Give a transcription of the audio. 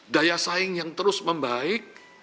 daya saing yang terus membaik